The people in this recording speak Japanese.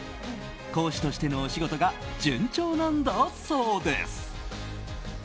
講師としてのお仕事が順調なんだそうです。